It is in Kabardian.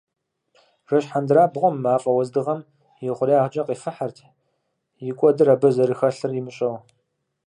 Жэщ хьэндырабгъуэм мафӏэ уэздыгъэм и хъуреягъыр къифыхырт, и кӏуэдыр абы зэрыхэлъыр имыщӏэу.